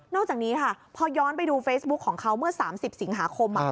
อกจากนี้ค่ะพอย้อนไปดูเฟซบุ๊คของเขาเมื่อ๓๐สิงหาคม